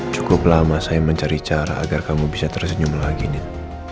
cukup lama saya mencari cara agar kamu bisa tersenyum lagi nih